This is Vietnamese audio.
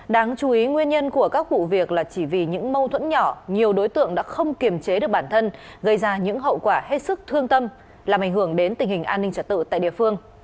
đáng chú ý nguyên nhân của các vụ việc là chỉ vì những mâu thuẫn nhỏ nhiều đối tượng đã không kiềm chế được bản thân gây ra những hậu quả hết sức thương tâm làm ảnh hưởng đến tình hình an ninh trật tự tại địa phương